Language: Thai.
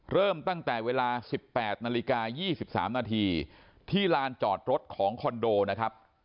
เริ่มตั้งแต่เวลา๑๘นาฬิกา๒๓นาทีที่ลานจอดรถของคอนโดนะครับ